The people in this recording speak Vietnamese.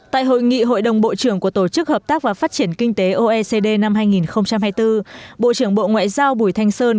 tại hội nghị hội đồng bộ trưởng của tổ chức hợp tác và phát triển kinh tế oecd năm hai nghìn hai mươi bốn bộ trưởng bộ ngoại giao bùi thanh sơn